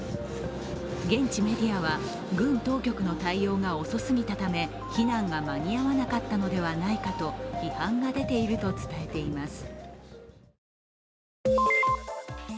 現地メディアは、郡当局の対応が遅すぎたため避難が間に合わなかったのではないかと批判が出ていると伝えています。